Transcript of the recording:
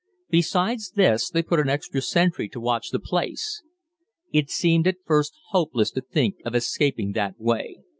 Besides this, they put an extra sentry to watch the place. It seemed at first hopeless to think of escaping that way.